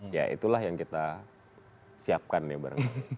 ya itulah yang kita siapkan ya bareng